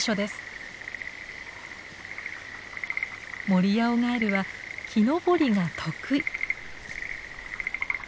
モリアオガエルは木登りが得意。